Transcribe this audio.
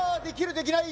できない？